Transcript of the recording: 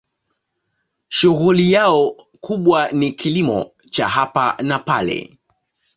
Shughuli yao kubwa ni kilimo cha hapa na pale.